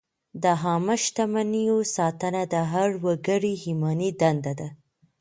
د عامه شتمنیو ساتنه د هر وګړي ایماني دنده ده.